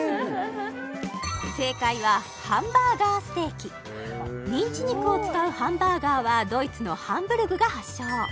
正解はハンバーガーステーキミンチ肉を使うハンバーガーはドイツのハンブルグが発祥